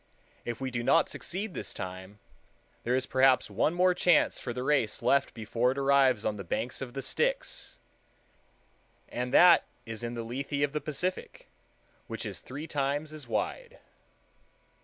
If we do not succeed this time, there is perhaps one more chance for the race left before it arrives on the banks of the Styx; and that is in the Lethe of the Pacific, which is three times as wide.